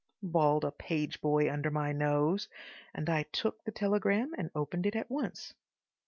bawled a page boy under my nose, and I took the telegram and opened it at once.